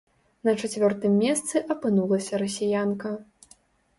На чацвёртым месцы апынулася расіянка.